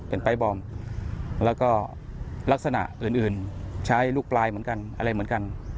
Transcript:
เป็นปลายบอมแล้วก็ลักษณะอื่นใช้ลูกปลายเหมือนกันอะไรเหมือนกัน